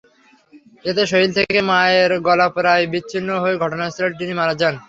এতে শরীর থেকে মায়ের গলা প্রায় বিচ্ছিন্ন হয়ে ঘটনাস্থলে তিনি মারা যান।